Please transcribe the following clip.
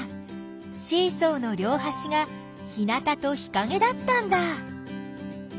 シーソーのりょうはしが日なたと日かげだったんだ。